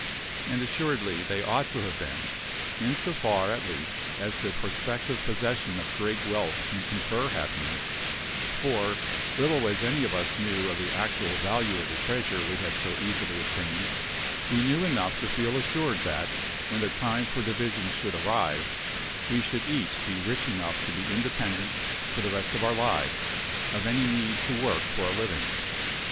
And assuredly they ought to have been, in so far at least as the prospective possession of great wealth can confer happiness; for, little as any of us knew of the actual value of the treasure we had so easily obtained, we knew enough to feel assured that, when the time for division should arrive, we should each be rich enough to be independent, for the rest of our lives, of any need to work for a living.